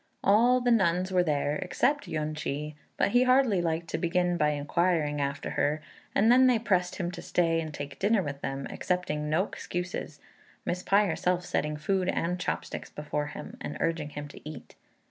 All the nuns were there except Yün ch'i, but he hardly liked to begin by inquiring after her; and then they pressed him to stay and take dinner with them, accepting no excuses, Miss Pai herself setting food and chop sticks before him, and urging him to eat.